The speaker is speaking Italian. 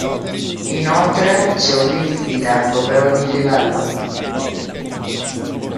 Inoltre c'è un limite di tempo per ogni livello.